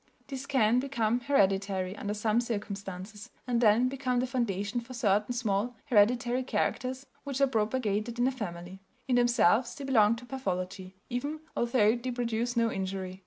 This can become hereditary under some circumstances, and then become the foundation for certain small hereditary characters which are propagated in a family; in themselves they belong to pathology, even although they produce no injury.